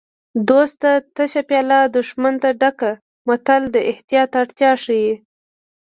دوست ته تشه پیاله دښمن ته ډکه متل د احتیاط اړتیا ښيي